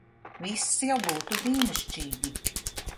Viss jau būtu brīnišķīgi.